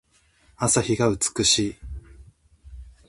朝日が美しい。